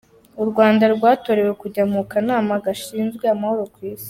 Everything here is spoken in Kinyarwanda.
U Rwanda rwatorewe kujya mu Kanama Gashinzwe Amahoro ku isi